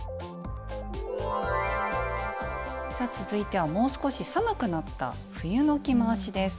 続いてはもう少し寒くなった冬の着回しです。